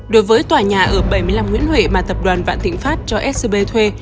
đối với tòa nhà ở bảy mươi năm nguyễn huệ mà tập đoàn vạn thịnh pháp cho scb thuê